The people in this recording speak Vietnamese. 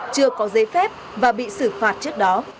chưa có giấy phép và bị xử phạt trước đó